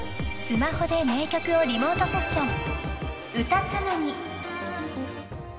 ［スマホで名曲をリモートセッション］